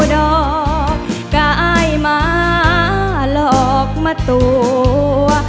ดอกกายมาหลอกมาตัว